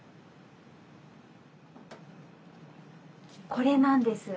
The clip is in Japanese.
これなんです。